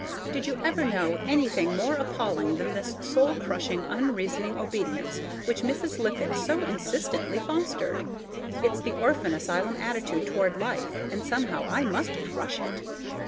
Did you ever know anything more appalling than this soul crushing unreasoning obedience which Mrs. Lippett so insistently fostered? It's the orphan asylum attitude toward life, and somehow I must crush it out.